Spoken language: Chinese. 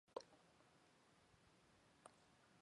兴安堇菜是堇菜科堇菜属的植物。